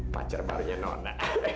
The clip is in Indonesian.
pacar barunya nona